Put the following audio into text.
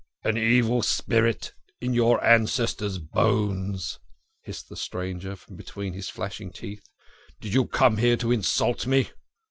" An evil spirit in your ancestors' bones !" hissed the stranger, from between his flashing teeth. " Did you come here to insult me